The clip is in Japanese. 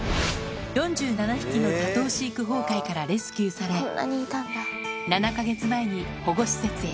４７匹の多頭飼育崩壊からレスキューされ、７か月前に保護施設へ。